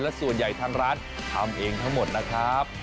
และส่วนใหญ่ทางร้านทำเองทั้งหมดนะครับ